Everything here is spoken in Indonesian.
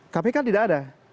kpk tidak ada